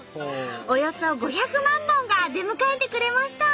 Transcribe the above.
およそ５００万本が出迎えてくれました。